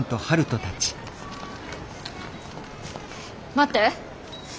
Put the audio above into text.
待って。